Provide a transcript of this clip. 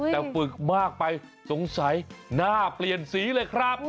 แต่ฝึกมากไปสงสัยหน้าเปลี่ยนสีเลยครับ